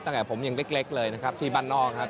ตั้งแต่ผมยังเล็กเลยนะครับที่บ้านนอกครับ